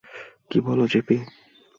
কি বলো, জেপি?